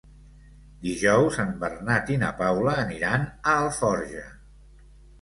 Dijous en Bernat i na Paula aniran a Alforja.